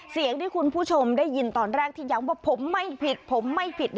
เสียงที่คุณผู้ชมได้ยินตอนแรกที่ย้ำว่าผมไม่ผิดผมไม่ผิด